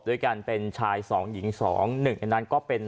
โดยการเป็นชาย๒หญิง๒หนึ่งในนั้นก็เป็น